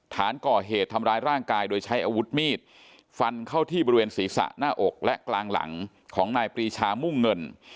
ฐานก่อเหตุทำร้ายร่างกายโดยใช้อาวุธมีดฟันเข้าที่บริเวณศีรษะหน้าอกและกลางหลังของนายปรีชามุ่งเงิน